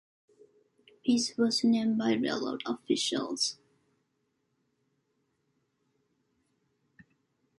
Pease was named by railroad officials.